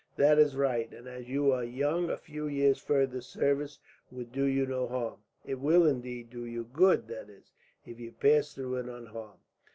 "That is right, and as you are young, a few years' further service will do you no harm. It will, indeed, do you good; that is, if you pass through it unharmed.